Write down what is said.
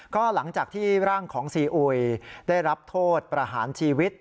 ก็หลังจากที่ร่างของซีอุยได้รับโทษประหารชีวิต